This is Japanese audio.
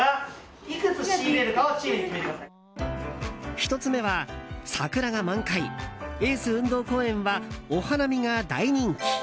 １つ目は桜が満開エース運動公園はお花見が大人気。